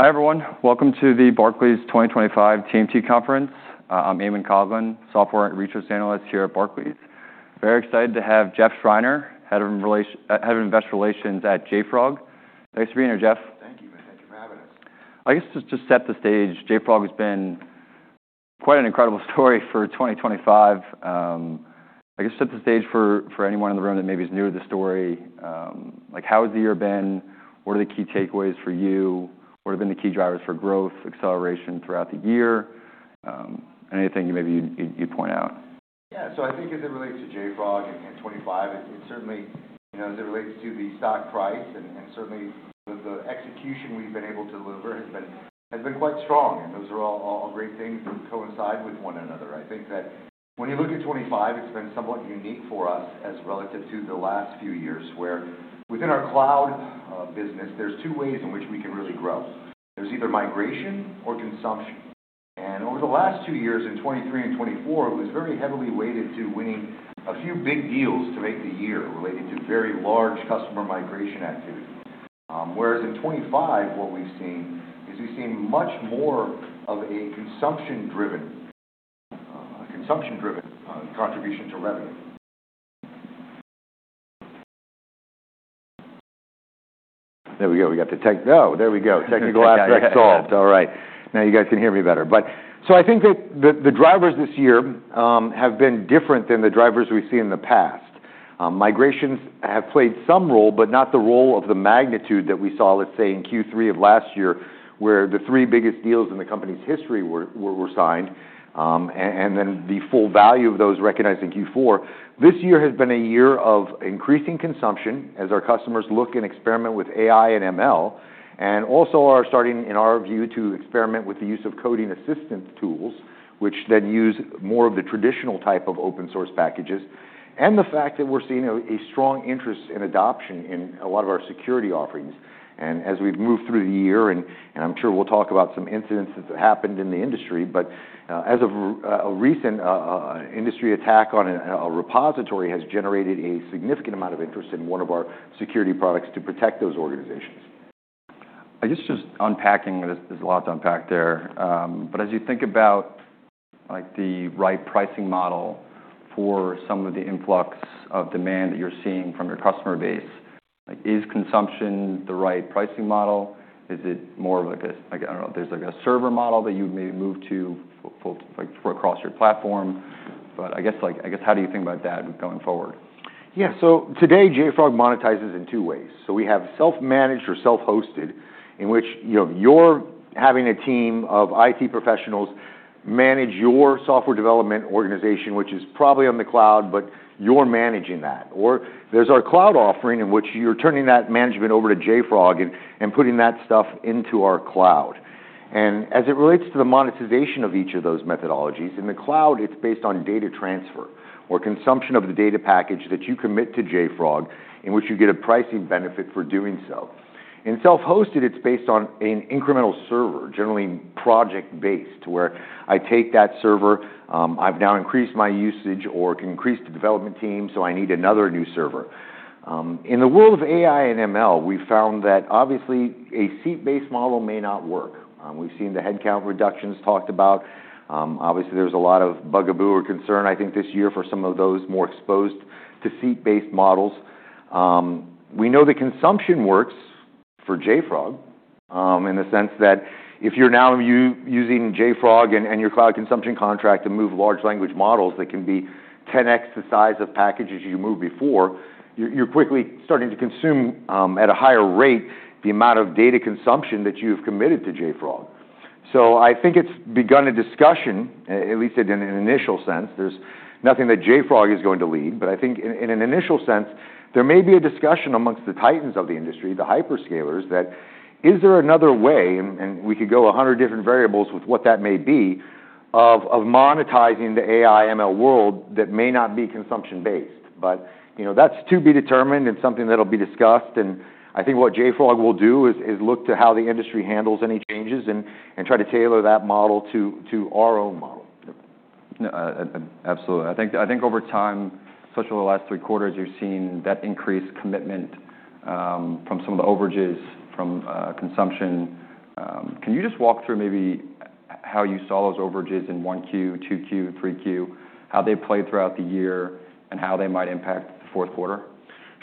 Hi everyone. Welcome to the Barclays 2025 TMT Conference. I'm Eamon Colvin, Software and Research Analyst here at Barclays. Very excited to have Jeff Schreiner, Vice President of Investor Relations at JFrog. Thanks for being here, Jeff. Thank you, man. Thank you for having us. I guess to just set the stage, JFrog has been quite an incredible story for 2025. I guess set the stage for anyone in the room that maybe is new to the story. Like, how has the year been? What are the key takeaways for you? What have been the key drivers for growth, acceleration throughout the year? Anything you maybe you'd point out? Yeah. So I think as it relates to JFrog and 2025, it certainly, you know, as it relates to the stock price and certainly the execution we've been able to deliver has been quite strong, and those are all great things that coincide with one another. I think that when you look at 2025, it's been somewhat unique for us as relative to the last few years where within our cloud business, there's two ways in which we can really grow. There's either migration or consumption, and over the last two years, in 2023 and 2024, it was very heavily weighted to winning a few big deals to make the year related to very large customer migration activity. Whereas in 2025, what we've seen is much more of a consumption-driven contribution to revenue. There we go. We got the tech. Oh, there we go. Technical aspects solved. All right. Now you guys can hear me better, but so I think that the drivers this year have been different than the drivers we've seen in the past. Migrations have played some role, but not the role of the magnitude that we saw, let's say, in Q3 of last year, where the three biggest deals in the company's history were signed and then the full value of those recognized in Q4. This year has been a year of increasing consumption as our customers look and experiment with AI and ML, and also are starting, in our view, to experiment with the use of coding assistant tools, which then use more of the traditional type of open-source packages. And the fact that we're seeing a strong interest in adoption in a lot of our security offerings. And as we've moved through the year, and I'm sure we'll talk about some incidents that have happened in the industry, but as of a recent industry attack on a repository has generated a significant amount of interest in one of our security products to protect those organizations. I guess just unpacking. There's a lot to unpack there, but as you think about, like, the right pricing model for some of the influx of demand that you're seeing from your customer base, like, is consumption the right pricing model? Is it more of like a, I don't know, there's like a server model that you may move to full, like, for across your platform, but I guess, like, I guess how do you think about that going forward? Yeah, so today, JFrog monetizes in two ways, so we have self-managed or self-hosted in which, you know, you're having a team of IT professionals manage your software development organization, which is probably on the cloud, but you're managing that, or there's our cloud offering in which you're turning that management over to JFrog and putting that stuff into our cloud, and as it relates to the monetization of each of those methodologies, in the cloud, it's based on data transfer or consumption of the data package that you commit to JFrog in which you get a pricing benefit for doing so. In self-hosted, it's based on an incremental server, generally project-based, where I take that server, I've now increased my usage or increased the development team, so I need another new server. In the world of AI and ML, we've found that obviously a seat-based model may not work. We've seen the headcount reductions talked about. Obviously, there's a lot of bugaboo or concern, I think, this year for some of those more exposed to seat-based models. We know that consumption works for JFrog, in the sense that if you're now using JFrog and your cloud consumption contract to move large language models that can be 10X the size of packages you moved before, you're quickly starting to consume at a higher rate the amount of data consumption that you've committed to JFrog. So I think it's begun a discussion, at least in an initial sense. There's nothing that JFrog is going to lead, but I think in an initial sense, there may be a discussion among the titans of the industry, the hyperscalers, that is there another way - and we could go 100 different variables with what that may be of monetizing the AI/ML world that may not be consumption-based. But, you know, that's to be determined and something that'll be discussed. And I think what JFrog will do is look to how the industry handles any changes and try to tailor that model to our own model. No, and absolutely. I think over time, especially over the last three quarters, you've seen that increased commitment from some of the overages from consumption. Can you just walk through maybe how you saw those overages in Q1, Q2, Q3, how they played throughout the year, and how they might impact the fourth quarter?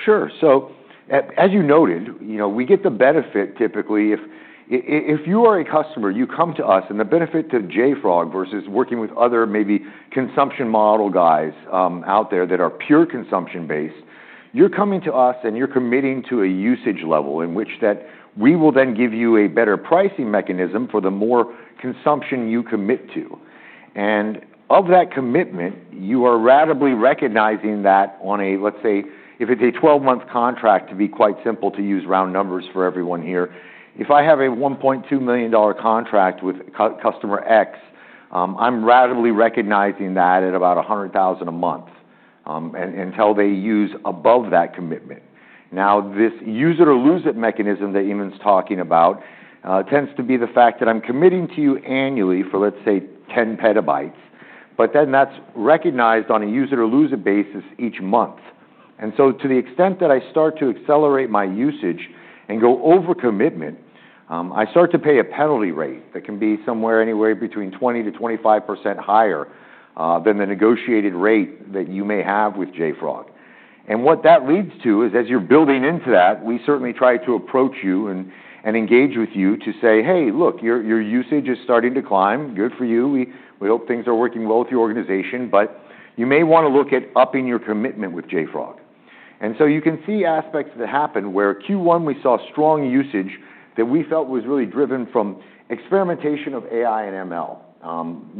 Sure. So, as you noted, you know, we get the benefit typically if, if you are a customer, you come to us, and the benefit to JFrog versus working with other maybe consumption model guys, out there that are pure consumption-based, you're coming to us and you're committing to a usage level in which that we will then give you a better pricing mechanism for the more consumption you commit to. And of that commitment, you are ratably recognizing that on a, let's say, if it's a 12-month contract, to be quite simple to use round numbers for everyone here, if I have a $1.2 million contract with customer X, I'm ratably recognizing that at about $100,000 a month, and until they use above that commitment. Now, this use-it-or-lose-it mechanism that Eamon's talking about, tends to be the fact that I'm committing to you annually for, let's say, 10 TB, but then that's recognized on a use-it-or-lose-it basis each month. And so to the extent that I start to accelerate my usage and go over commitment, I start to pay a penalty rate that can be somewhere anywhere between 20% to 25% higher than the negotiated rate that you may have with JFrog. And what that leads to is, as you're building into that, we certainly try to approach you and engage with you to say, "Hey, look, your usage is starting to climb. Good for you. We hope things are working well with your organization, but you may wanna look at upping your commitment with JFrog, and so you can see aspects that happen where Q1 we saw strong usage that we felt was really driven from experimentation of AI and ML.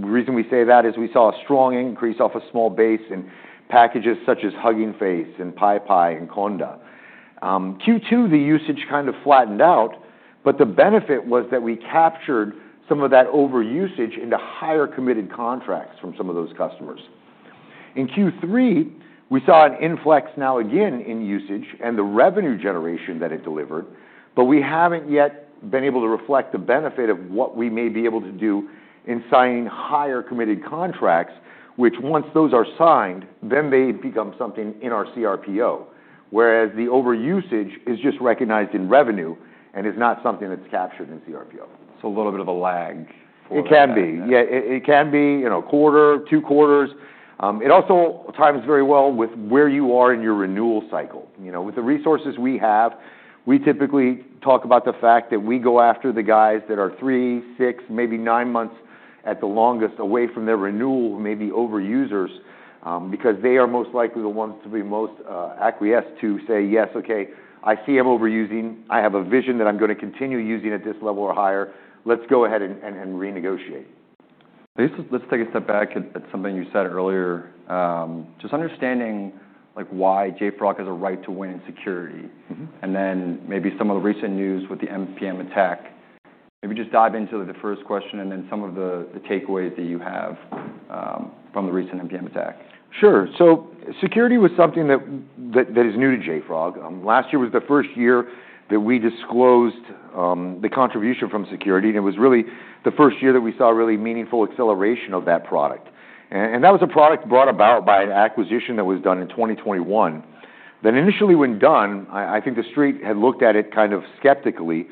The reason we say that is we saw a strong increase off a small base in packages such as Hugging Face and PyPI and Conda. Q2, the usage kind of flattened out, but the benefit was that we captured some of that overusage into higher committed contracts from some of those customers. In Q3, we saw an influx now again in usage and the revenue generation that it delivered, but we haven't yet been able to reflect the benefit of what we may be able to do in signing higher committed contracts, which once those are signed, then they become something in our CRPO, whereas the overusage is just recognized in revenue and is not something that's captured in CRPO. So a little bit of a lag for. It can be. Yeah. It can be, you know, a 1/4, 2/4. It also times very well with where you are in your renewal cycle. You know, with the resources we have, we typically talk about the fact that we go after the guys that are three, six, maybe nine months at the longest away from their renewal, maybe overusers, because they are most likely the ones to be most acquiescent to say, "Yes, okay. I see I'm overusing. I have a vision that I'm gonna continue using at this level or higher. Let's go ahead and renegotiate. I guess let's take a step back at something you said earlier. Just understanding, like, why JFrog has a right to win in security. Mm-hmm. And then maybe some of the recent news with the npm attack. Maybe just dive into the first question and then some of the takeaways that you have from the recent npm attack. Sure, so security was something that is new to JFrog. Last year was the first year that we disclosed the contribution from security, and it was really the first year that we saw really meaningful acceleration of that product, and that was a product brought about by an acquisition that was done in 2021, then initially when done, I think the Street had looked at it kind of skeptically,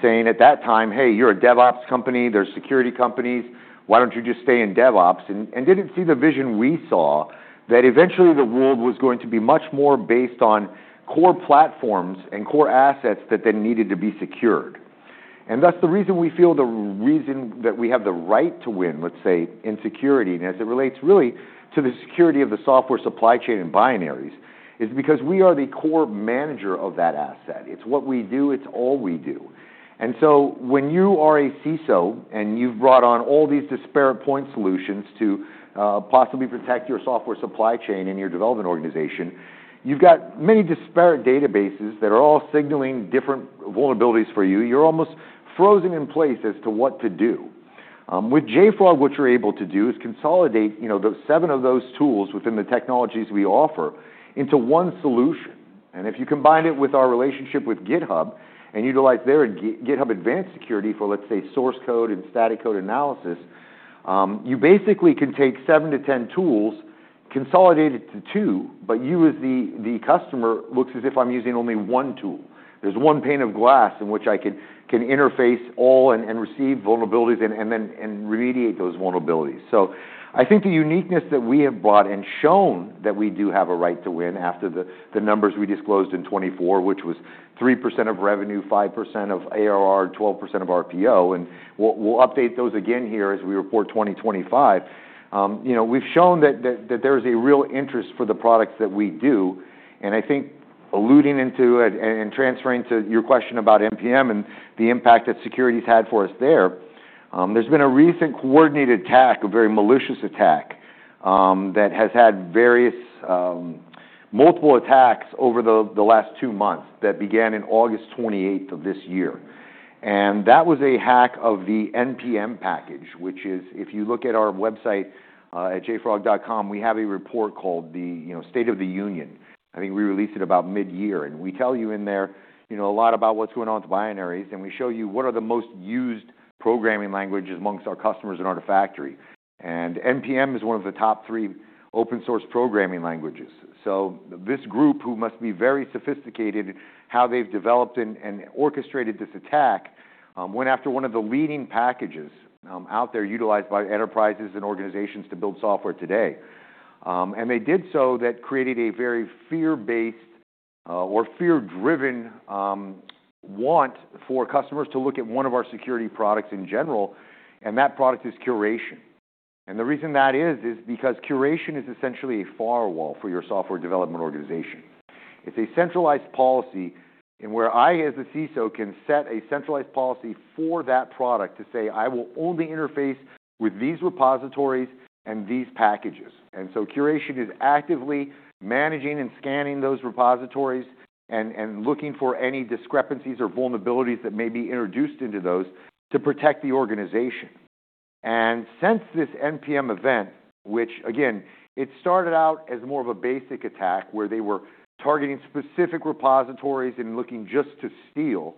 saying at that time, "Hey, you're a DevOps company. There's security companies. Why don't you just stay in DevOps?", and didn't see the vision we saw that eventually the world was going to be much more based on core platforms and core assets that then needed to be secured. And that's the reason we feel the reason that we have the right to win, let's say, in security, and as it relates really to the security of the software supply chain and binaries, is because we are the core manager of that asset. It's what we do. It's all we do. And so when you are a CISO and you've brought on all these disparate point solutions to possibly protect your software supply chain and your development organization, you've got many disparate databases that are all signaling different vulnerabilities for you. You're almost frozen in place as to what to do. With JFrog, what you're able to do is consolidate, you know, those seven of those tools within the technologies we offer into one solution. And if you combine it with our relationship with GitHub and utilize their GitHub Advanced Security for, let's say, source code and static code analysis, you basically can take seven to 10 tools, consolidate it to two, but you as the customer looks as if I'm using only one tool. There's one pane of glass in which I can interface all and receive vulnerabilities and then remediate those vulnerabilities. So I think the uniqueness that we have brought and shown that we do have a right to win after the numbers we disclosed in 2024, which was 3% of revenue, 5% of ARR, 12% of RPO, and we'll update those again here as we report 2025, you know, we've shown that there's a real interest for the products that we do. And I think alluding to it and transferring to your question about npm and the impact that security's had for us there, there's been a recent coordinated attack, a very malicious attack, that has had various, multiple attacks over the last two months that began in August 28th of this year, and that was a hack of the npm package, which is, if you look at our website at jfrog.com, we have a report called, you know, State of the Union. I think we released it about mid-year, and we tell you in there, you know, a lot about what's going on with binaries, and we show you what are the most used programming languages among our customers in Artifactory, and npm is one of the top three open-source programming languages. So this group, who must be very sophisticated in how they've developed and orchestrated this attack, went after one of the leading packages out there utilized by enterprises and organizations to build software today, and they did so that created a very fear-based, or fear-driven, want for customers to look at one of our security products in general, and that product is Curation, and the reason that is because Curation is essentially a firewall for your software development organization. It's a centralized policy in where I, as the CISO, can set a centralized policy for that product to say, "I will only interface with these repositories and these packages," and so Curation is actively managing and scanning those repositories and looking for any discrepancies or vulnerabilities that may be introduced into those to protect the organization. And since this npm event, which, again, it started out as more of a basic attack where they were targeting specific repositories and looking just to steal,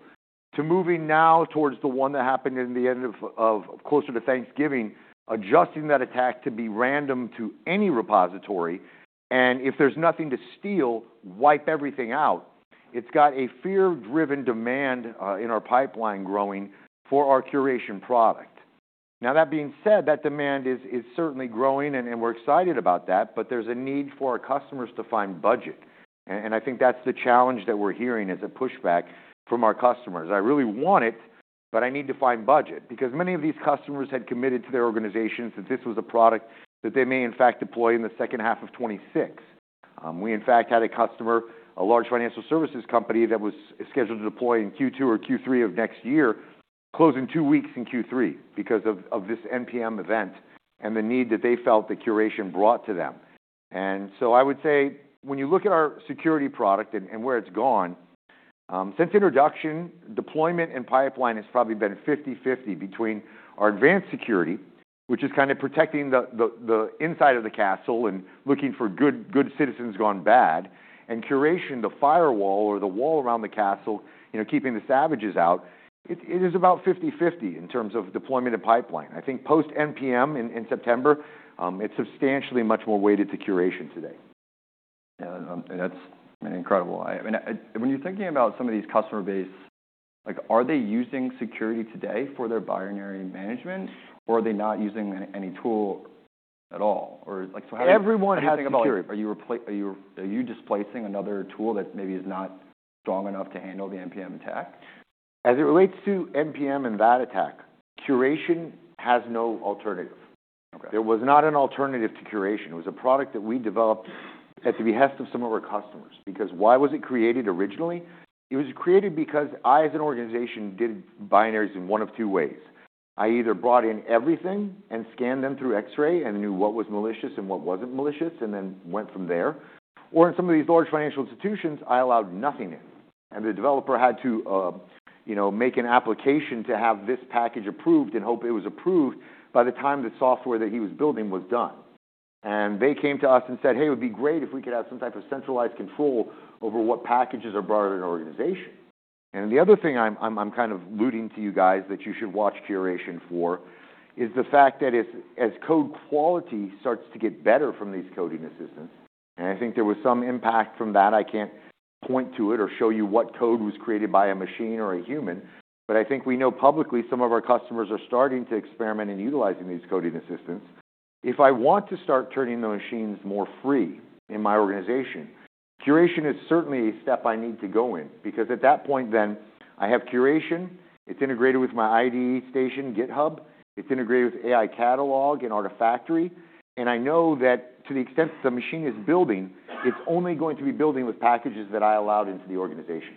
to moving now towards the one that happened in the end of closer to Thanksgiving, adjusting that attack to be random to any repository. And if there's nothing to steal, wipe everything out. It's got a fear-driven demand in our pipeline growing for our curation product. Now, that being said, that demand is certainly growing, and we're excited about that, but there's a need for our customers to find budget. And I think that's the challenge that we're hearing as a pushback from our customers. I really want it, but I need to find budget because many of these customers had committed to their organizations that this was a product that they may, in fact, deploy in the second half of 2026. We, in fact, had a customer, a large financial services company that was scheduled to deploy in Q2 or Q3 of next year, closing two weeks in Q3 because of this npm event and the need that they felt that curation brought to them. And so I would say, when you look at our security product and where it's gone, since introduction, deployment and pipeline has probably been 50/50 between our Advanced Security, which is kind of protecting the inside of the castle and looking for good citizens gone bad, and Curation, the firewall or the wall around the castle, you know, keeping the savages out. It is about 50/50 in terms of deployment and pipeline. I think post-npm in September, it's substantially much more weighted to Curation today. Yeah. That's incredible. I mean, when you're thinking about some of these customer-based, like, are they using security today for their binary management, or are they not using any tool at all? Or, like, so how do you think about. Everyone has security. Are you displacing another tool that maybe is not strong enough to handle the npm attack? As it relates to npm and that attack, curation has no alternative. Okay. There was not an alternative to Curation. It was a product that we developed at the behest of some of our customers because why was it created originally? It was created because I, as an organization, did binaries in one of two ways. I either brought in everything and scanned them through Xray and knew what was malicious and what wasn't malicious and then went from there. Or in some of these large financial institutions, I allowed nothing in, and the developer had to, you know, make an application to have this package approved and hope it was approved by the time the software that he was building was done. And they came to us and said, "Hey, it would be great if we could have some type of centralized control over what packages are brought in an organization." And the other thing I'm kind of alluding to you guys that you should watch curation for is the fact that as code quality starts to get better from these coding assistants, and I think there was some impact from that. I can't point to it or show you what code was created by a machine or a human, but I think we know publicly some of our customers are starting to experiment in utilizing these coding assistants. If I want to start turning the machines more free in my organization, Curation is certainly a step I need to go in because at that point then, I have Curation. It's integrated with my IDEs in GitHub. It's integrated with AI Catalog and Artifactory, and I know that to the extent that the machine is building, it's only going to be building with packages that I allowed into the organization.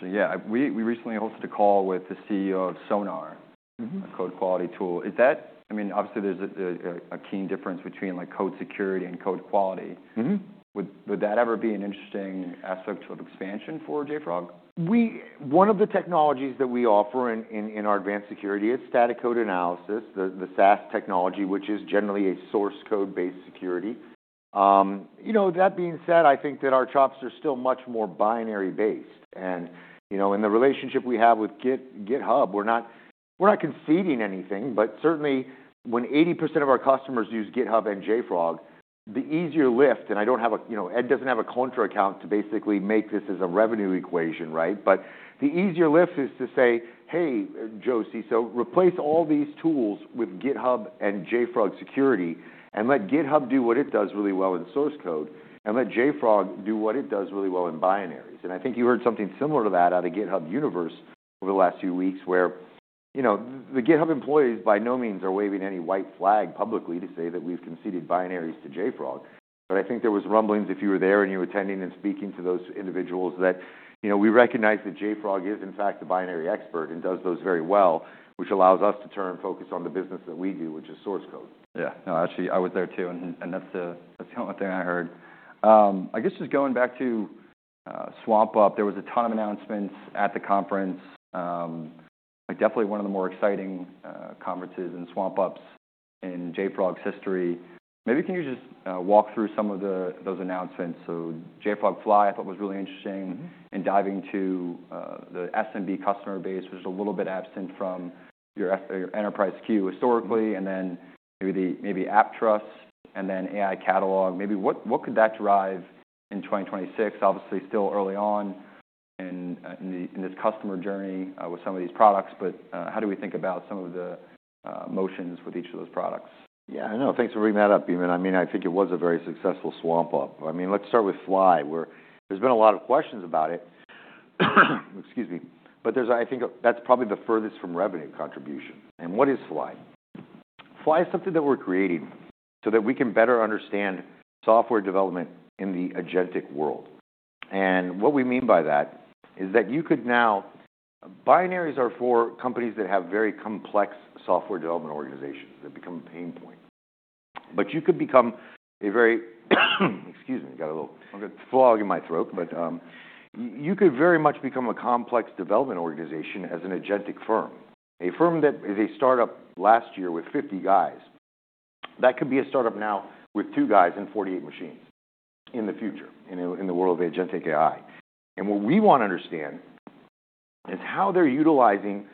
So yeah, we recently hosted a call with the CEO of Sonar. Mm-hmm. A code quality tool. Is that, I mean, obviously there's a key difference between, like, code security and code quality? Mm-hmm. Would that ever be an interesting aspect of expansion for JFrog? One of the technologies that we offer in our advanced security, it's static code analysis, the SAST technology, which is generally a source code-based security. You know, that being said, I think that our chops are still much more binary-based, and you know, in the relationship we have with GitHub, we're not conceding anything, but certainly when 80% of our customers use GitHub and JFrog, the easier lift, and I don't have, you know, Ed doesn't have a contra account to basically make this as a revenue equation, right? But the easier lift is to say, "Hey, Joe, CISO, replace all these tools with GitHub and JFrog security and let GitHub do what it does really well in source code and let JFrog do what it does really well in binaries." And I think you heard something similar to that out of GitHub Universe over the last few weeks where, you know, the GitHub employees by no means are waving any white flag publicly to say that we've conceded binaries to JFrog. But I think there was rumblings if you were there and you were attending and speaking to those individuals that, you know, we recognize that JFrog is, in fact, a binary expert and does those very well, which allows us to turn and focus on the business that we do, which is source code. Yeah. No, actually, I was there too, and that's the only thing I heard. I guess just going back to SwampUp, there was a ton of announcements at the conference. Like, definitely one of the more exciting conferences and SwampUps in JFrog's history. Maybe can you just walk through some of those announcements? So JFrog Fly I thought was really interesting. Mm-hmm. And diving into the SMB customer base, which is a little bit absent from your enterprise queue historically, and then maybe AppTrust and then AI Catalog. Maybe what could that drive in 2026? Obviously still early on in this customer journey with some of these products, but how do we think about some of the motions with each of those products? Yeah. I know. Thanks for bringing that up, Eamon. I mean, I think it was a very successful wrap-up. I mean, let's start with Fly where there's been a lot of questions about it. Excuse me, but there's, I think, that's probably the furthest from revenue contribution, and what is Fly? Fly is something that we're creating so that we can better understand software development in the agentic world, and what we mean by that is that you could now, binaries are for companies that have very complex software development organizations that become a pain point, but you could become a very. Excuse me. I got a little phlegm in my throat, but you could very much become a complex development organization as an agentic firm. A firm that is a startup last year with 50 guys, that could be a startup now with two guys and 48 machines in the future in the world of agentic AI. And what we want to understand is how they're utilizing,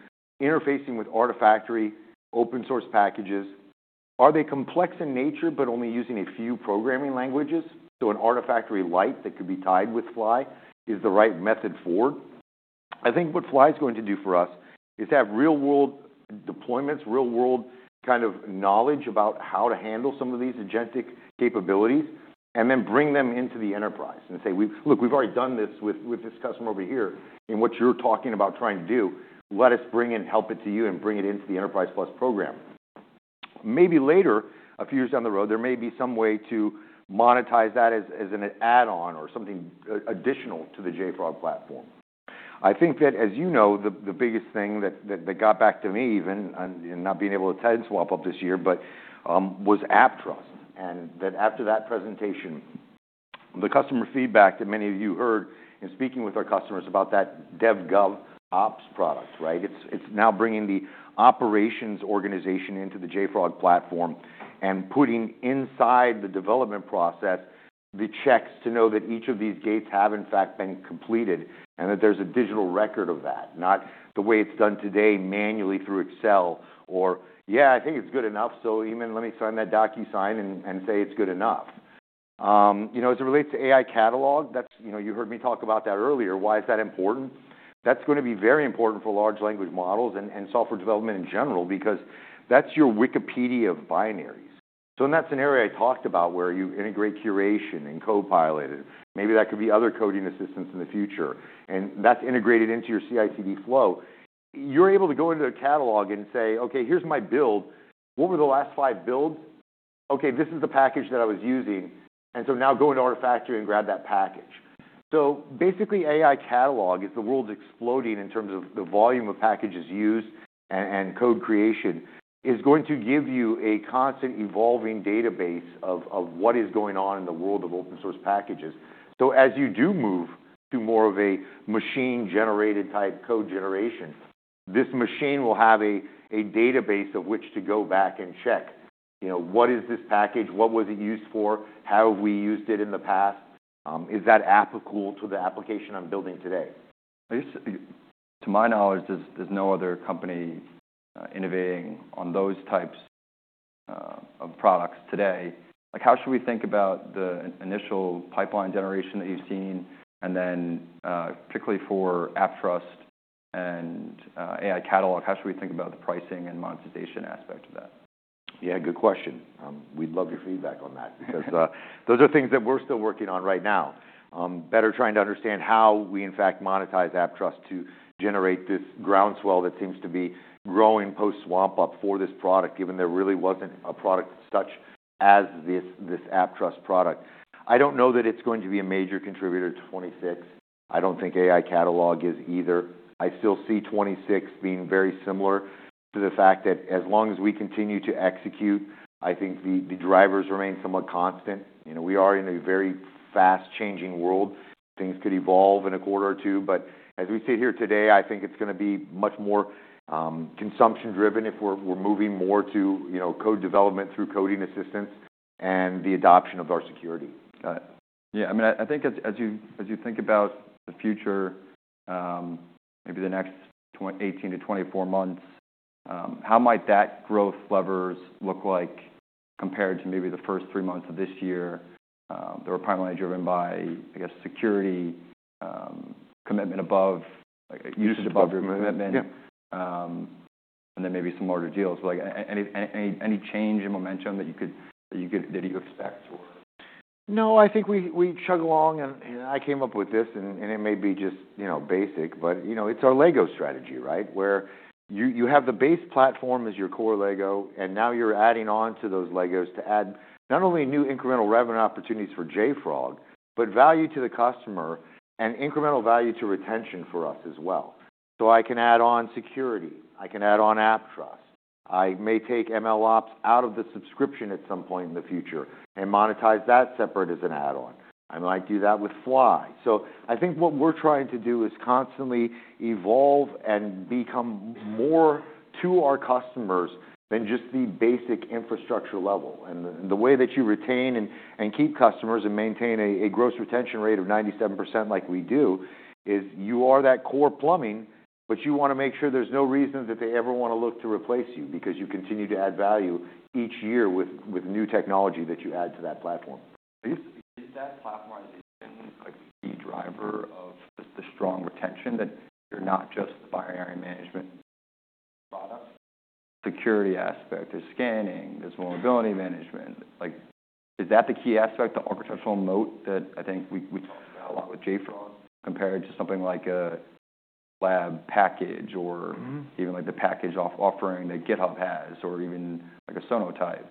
interfacing with Artifactory open-source packages. Are they complex in nature but only using a few programming languages? So an Artifactory like that could be tied with Fly is the right method forward. I think what Fly is going to do for us is have real-world deployments, real-world kind of knowledge about how to handle some of these agentic capabilities, and then bring them into the enterprise and say, "We've already done this with this customer over here. And what you're talking about trying to do, let us bring and help it to you and bring it into the Enterprise Plus program." Maybe later, a few years down the road, there may be some way to monetize that as an add-on or something additional to the JFrog Platform. I think that, as you know, the biggest thing that got back to me even in not being able to attend SwampUp this year but was AppTrust. And that after that presentation, the customer feedback that many of you heard in speaking with our customers about that DevGovOps product, right? It's now bringing the operations organization into the JFrog Platform and putting inside the development process the checks to know that each of these gates have, in fact, been completed and that there's a digital record of that, not the way it's done today manually through Excel or, "Yeah, I think it's good enough, so Eamon, let me sign that DocuSign and say it's good enough." you know, as it relates to AI Catalog, that's, you know, you heard me talk about that earlier. Why is that important? That's going to be very important for large language models and software development in general because that's your Wikipedia of binaries. So in that scenario I talked about where you integrate Curation and Copilot, and maybe that could be other coding assistants in the future, and that's integrated into your CI/CD flow. You're able to go into the Catalog and say, "Okay, here's my build. What were the last five builds? Okay, this is the package that I was using." And so now go into Artifactory and grab that package. So basically, AI Catalog is the world exploding in terms of the volume of packages used and code creation is going to give you a constant evolving database of what is going on in the world of open-source packages. So as you do move to more of a machine-generated type code generation, this machine will have a database of which to go back and check, you know. What is this package? What was it used for? How have we used it in the past? Is that applicable to the application I'm building today? I guess to my knowledge, there's no other company innovating on those types of products today. Like, how should we think about the initial pipeline generation that you've seen and then, particularly for AppTrust and AI Catalog, how should we think about the pricing and monetization aspect of that? Yeah. Good question. We'd love your feedback on that because those are things that we're still working on right now, better trying to understand how we, in fact, monetize AppTrust to generate this groundswell that seems to be growing post-SwampUp for this product given there really wasn't a product such as this, this AppTrust product. I don't know that it's going to be a major contributor to 2026. I don't think AI Catalog is either. I still see 2026 being very similar to the fact that as long as we continue to execute, I think the drivers remain somewhat constant. You know, we are in a very fast-changing world. Things could evolve in a quarter two. but as we sit here today, I think it's going to be much more consumption-driven if we're moving more to, you know, code development through coding assistance and the adoption of our security. Yeah. I mean, I think as you think about the future, maybe the next 18 to 24 months, how might that growth levers look like compared to maybe the first three months of this year? They were primarily driven by, I guess, security, commitment above, like, usage above your commitment. Yeah. And then maybe some larger deals. Like, any change in momentum that you could expect or? No. I think we chug along, and I came up with this, and it may be just, you know, basic, but, you know, it's our Lego strategy, right, where you have the base platform as your core Lego, and now you're adding on to those Legos to add not only new incremental revenue opportunities for JFrog, but value to the customer and incremental value to retention for us as well, so I can add on security. I can add on AppTrust. I may take MLOps out of the subscription at some point in the future and monetize that separate as an add-on. I might do that with Fly, so I think what we're trying to do is constantly evolve and become more to our customers than just the basic infrastructure level. The way that you retain and keep customers and maintain a gross retention rate of 97% like we do is you are that core plumbing, but you want to make sure there's no reason that they ever want to look to replace you because you continue to add value each year with new technology that you add to that platform. Is that platformization like the key driver of the strong retention that you're not just the binary management product? Security aspect, there's scanning, there's vulnerability management. Like, is that the key aspect, the architectural moat that I think we talked about a lot with JFrog compared to something like a GitLab package or even like the package offering that GitHub has or even like a Sonatype.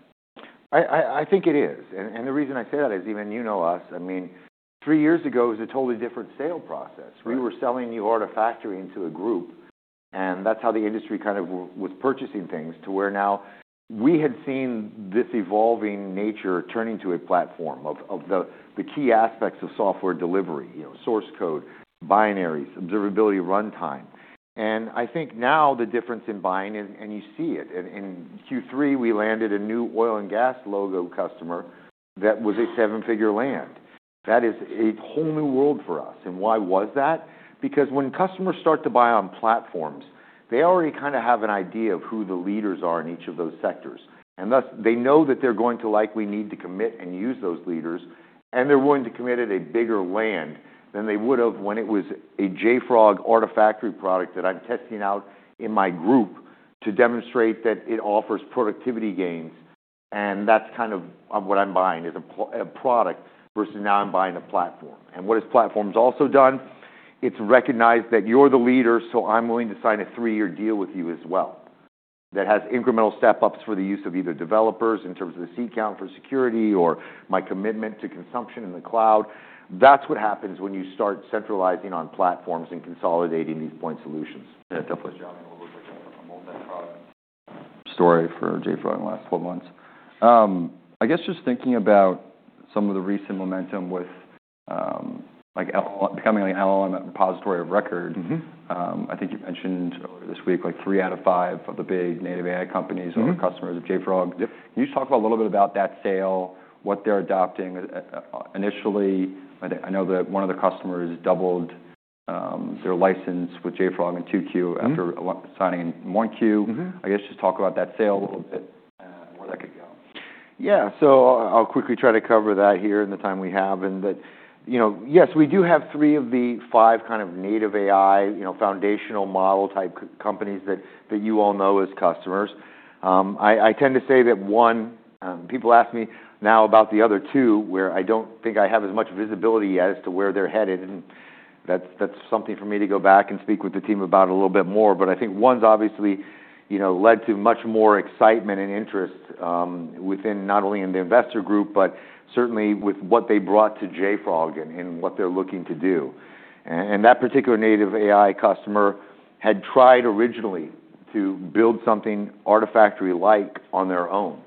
I think it is. And the reason I say that is even, you know, us. I mean, three years ago it was a totally different sale process. We were selling the Artifactory into a group, and that's how the industry kind of was purchasing things to where now we had seen this evolving nature turning to a platform of the key aspects of software delivery, you know, source code, binaries, observability runtime. And I think now the difference in buying is, and you see it. And in Q3, we landed a new oil and gas logo customer that was a seven-figure land. That is a whole new world for us. And why was that? Because when customers start to buy on platforms, they already kind of have an idea of who the leaders are in each of those sectors. And thus they know that they're going to likely need to commit and use those leaders, and they're willing to commit at a bigger land than they would have when it was a JFrog Artifactory product that I'm testing out in my group to demonstrate that it offers productivity gains. And that's kind of what I'm buying is a point product versus now I'm buying a platform. And what has platforms also done? It's recognized that you're the leader, so I'm willing to sign a three-year deal with you as well that has incremental step-ups for the use of either developers in terms of the seat count for security or my commitment to consumption in the cloud. That's what happens when you start centralizing on platforms and consolidating these point solutions. Yeah. Definitely. Which I'm a little bit like a multi-product story for JFrog in the last 12 months. I guess just thinking about some of the recent momentum with, like becoming an LLM repository of record. Mm-hmm. I think you mentioned earlier this week like 3/5 of the big native AI companies are customers of JFrog. Yep. Can you just talk a little bit about that sale, what they're adopting? Initially, I know that one of the customers doubled their license with JFrog in Q2 after signing in Q1. Mm-hmm. I guess just talk about that sale a little bit and where that could go. Yeah, so I'll quickly try to cover that here in the time we have, and, you know, yes, we do have three of the five kind of native AI, you know, foundational model type companies that you all know as customers. I tend to say that one, people ask me now about the other two where I don't think I have as much visibility as to where they're headed, and that's something for me to go back and speak with the team about a little bit more, but I think one's obviously, you know, led to much more excitement and interest, within not only in the investor group, but certainly with what they brought to JFrog and what they're looking to do, and that particular native AI customer had tried originally to build something Artifactory-like on their own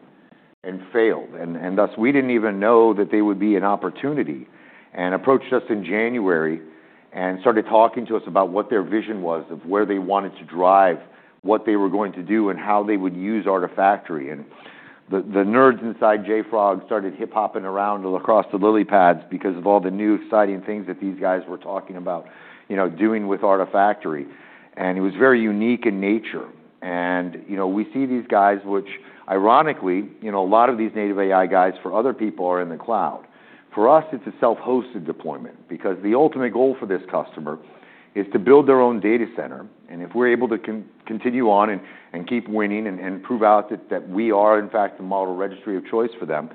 and failed. Thus we didn't even know that they would be an opportunity and approached us in January and started talking to us about what their vision was of where they wanted to drive, what they were going to do, and how they would use Artifactory. The nerds inside JFrog started hip-hopping around all across the lily pads because of all the new exciting things that these guys were talking about, you know, doing with Artifactory. It was very unique in nature. You know, we see these guys, which ironically, you know, a lot of these native AI guys for other people are in the cloud. For us, it's a self-hosted deployment because the ultimate goal for this customer is to build their own data center. And if we're able to continue on and keep winning and prove out that we are in fact the model registry of choice for them,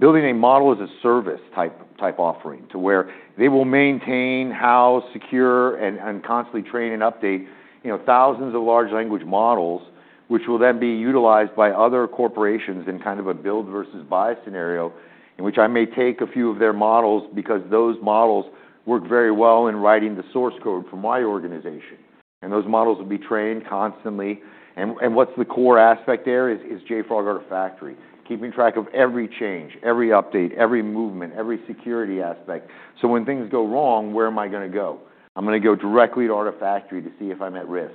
building a model as a service type offering to where they will maintain how secure and constantly train and update, you know, thousands of large language models, which will then be utilized by other corporations in kind of a build versus buy scenario in which I may take a few of their models because those models work very well in writing the source code for my organization. And those models will be trained constantly. And what's the core aspect there is JFrog Artifactory, keeping track of every change, every update, every movement, every security aspect. So when things go wrong, where am I going to go? I'm going to go directly to Artifactory to see if I'm at risk.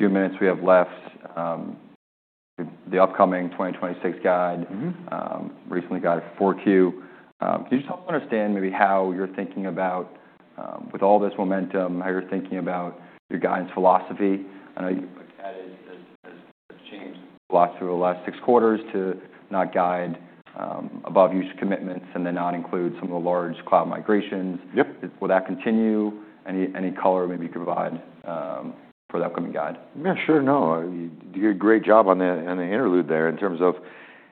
This is the few minutes we have left, the upcoming 2026 guide. Mm-hmm. Recently got a Q4. Can you just help me understand maybe how you're thinking about, with all this momentum, how you're thinking about your guidance philosophy? I know you've added as changed the philosophy over the last six quarters to not guide above-use commitments and then not include some of the large cloud migrations. Yep. Will that continue? Any color maybe you could provide for the upcoming guide? Yeah. Sure. No. You did a great job on the interlude there in terms of,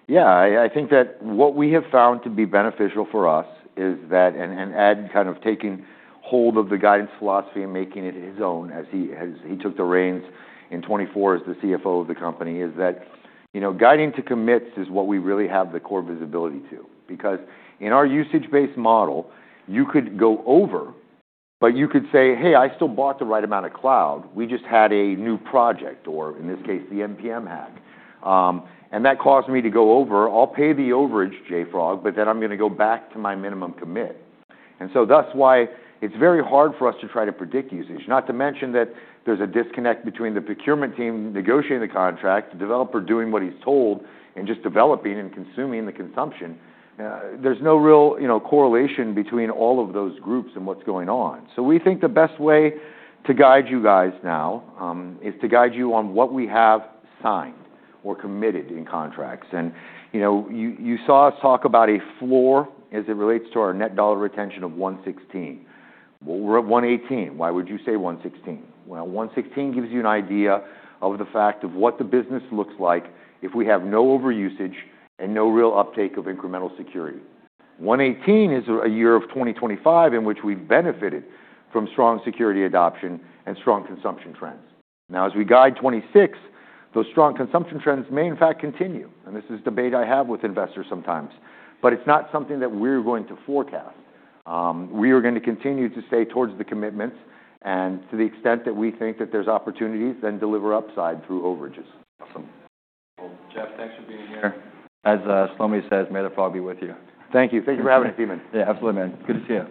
yeah, I think that what we have found to be beneficial for us is that, and Ed kind of taking hold of the guidance philosophy and making it his own as he took the reins in 2024 as the CFO of the company is that, you know, guiding to commits is what we really have the core visibility to because in our usage-based model, you could go over, but you could say, "Hey, I still bought the right amount of cloud. We just had a new project," or in this case, the npm attack. And that caused me to go over, "I'll pay the overage, JFrog, but then I'm going to go back to my minimum commit." And so that's why it's very hard for us to try to predict usage, not to mention that there's a disconnect between the procurement team negotiating the contract, the developer doing what he's told, and just developing and consuming the consumption. There's no real, you know, correlation between all of those groups and what's going on. So we think the best way to guide you guys now is to guide you on what we have signed or committed in contracts. And, you know, you saw us talk about a floor as it relates to our net dollar retention of 116. Well, we're at 118. Why would you say 116? 116 gives you an idea of the fact of what the business looks like if we have no overusage and no real uptake of incremental security. 118 is a year of 2025 in which we've benefited from strong security adoption and strong consumption trends. Now, as we guide 2026, those strong consumption trends may in fact continue. This is debate I have with investors sometimes, but it's not something that we're going to forecast. We are going to continue to stay towards the commitments and to the extent that we think that there's opportunities, then deliver upside through overages. Awesome. Well, Jeff, thanks for being here. As Schreiner says, may the fog be with you. Thank you. Thank you for having us, Eamon. Yeah. Absolutely, man. Good to see you.